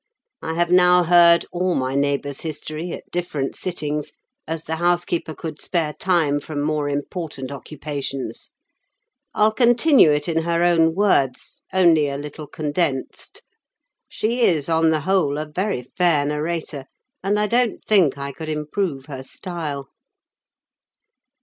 I have now heard all my neighbour's history, at different sittings, as the housekeeper could spare time from more important occupations. I'll continue it in her own words, only a little condensed. She is, on the whole, a very fair narrator, and I don't think I could improve her style.